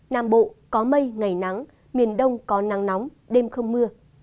nam bộ có mây ngày nắng miền đông có nắng nóng đêm không mưa